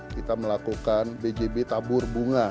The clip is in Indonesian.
kita melakukan bjb tabur bunga